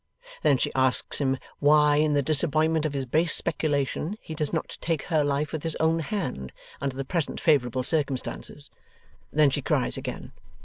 Then she asks him, why, in the disappointment of his base speculation, he does not take her life with his own hand, under the present favourable circumstances. Then she cries again.